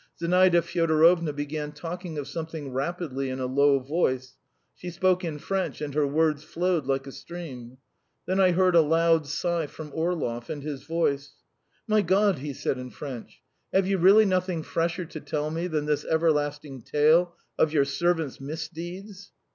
Zinaida Fyodorovna began talking of something rapidly in a low voice; she spoke in French, and her words flowed like a stream. Then I heard a loud sigh from Orlov, and his voice. "My God!" he said in French. "Have you really nothing fresher to tell me than this everlasting tale of your servant's misdeeds?"